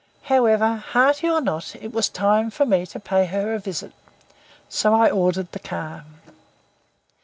However, hearty or not, it was time for me to pay her a visit. So I ordered the car.